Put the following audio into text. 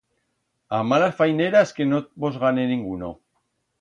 A malas faineras que no vos gane ninguno.